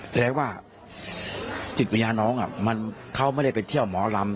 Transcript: แสดงว่าจิตวิญญาณน้องเขาไม่ได้ไปเที่ยวหมอลำ